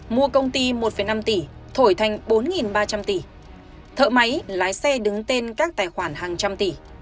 mua công ty một năm tỷ thổi thành bốn ba trăm linh tỷ thợ máy lái xe đứng tên các tài khoản hàng trăm tỷ